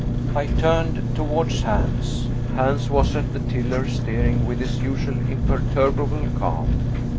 I turned towards Hans. Hans was at the tiller steering with his usual imperturbable calm.